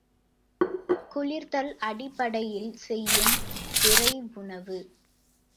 குளிர்தல் அடிப்படையில் செய்யும் விரைவுணவு.